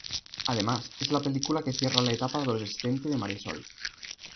Además, es la película que cierra la etapa adolescente de Marisol.